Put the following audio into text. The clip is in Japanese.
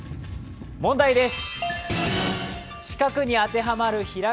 問題です！